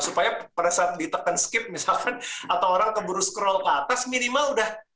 supaya pada saat ditekan skip misalkan atau orang keburu scroll ke atas minimal udah